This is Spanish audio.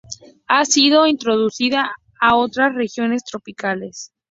Ha sido introducida a otras regiones tropicales.